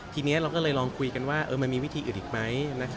ทีนี้เราก็เลยลองคุยกันว่ามันมีวิธีอื่นอีกไหม